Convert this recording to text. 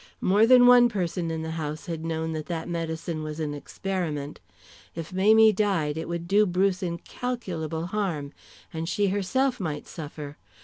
More than one person in the house had known that that medicine was an experiment. If Mamie died it would do Bruce incalculable harm. And she herself might suffer.